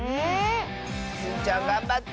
スイちゃんがんばって！